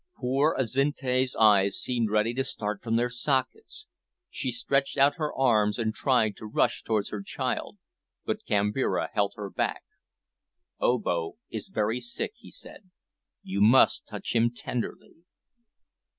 Poor Azinte's eyes seemed ready to start from their sockets. She stretched out her arms and tried to rush towards her child, but Kambira held her back. "Obo is very sick," he said, "you must touch him tenderly."